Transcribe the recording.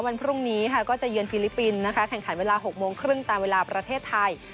วันพรุ่งนี้ค่ะก็จะเยือนฟิลิปปินส์นะคะแข่งขันเวลา๖โมงครึ่งตามเวลาประเทศไทย